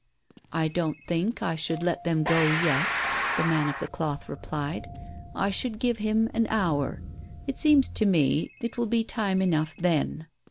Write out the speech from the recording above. "I don't think I should let them go yet," the man of the cloth replied. "I should give him an hour. It seems to me it will be time enough then.